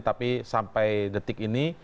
tapi sampai detik ini